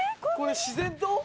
これ自然と？